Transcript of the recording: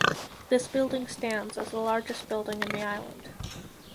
This building stands as the largest building in the island.